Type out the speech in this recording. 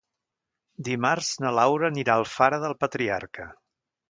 Dimarts na Laura anirà a Alfara del Patriarca.